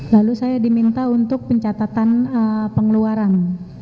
lalu saya diminta untuk pencatatan pengeluaran